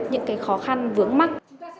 những cái khó khăn vướng mắt